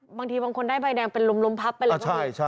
บางทีบางคนได้ใบแดงเป็นลมลมพับเป็นลมพับ